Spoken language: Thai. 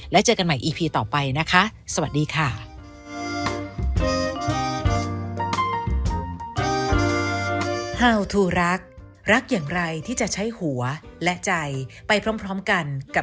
และเจอกันใหม่อีพีต่อไปนะคะสวัสดีค่ะ